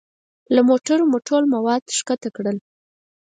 له موټرو مو ټول مواد ښکته کړل.